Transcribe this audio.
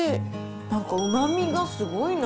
なんかうまみがすごいな。